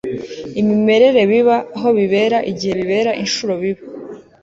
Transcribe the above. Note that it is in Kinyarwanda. imimerere biba, aho bibera, igihe bibera, inshuro biba